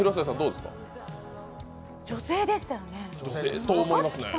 女性でしたよね。